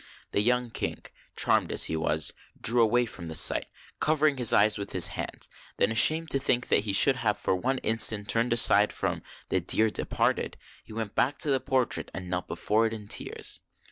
The young King, charmed as he was, drew away from the sight, covering his eyes with his hands. Then, ashamed to think that he should have for one instant turned aside from the " dear departed," he went back to the portrait, and knelt before it in tears.